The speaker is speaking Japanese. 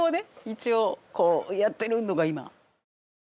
一応こうやってるのが今。